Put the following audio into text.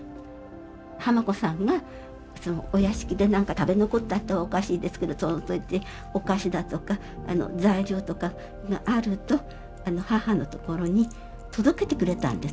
濱子さんがお屋敷で何か食べ残ったっておかしいですけどその当時お菓子だとか材料とかがあると母のところに届けてくれたんです